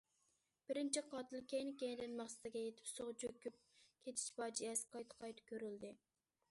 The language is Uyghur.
« بىرىنچى قاتىل» كەينى- كەينىدىن مەقسىتىگە يېتىپ، سۇغا چۆكۈپ كېتىش پاجىئەسى قايتا- قايتا كۆرۈلدى.